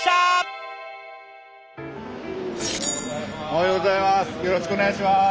おはようございます。